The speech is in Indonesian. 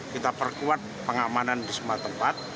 kita perkuat pengamanan di semua tempat